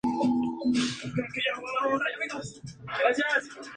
Tiene conexiones con Leicester, Peterborough, Milton Keynes y Northampton.